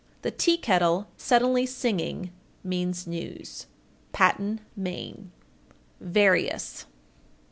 The tea kettle suddenly singing means news. Patten, Me. VARIOUS.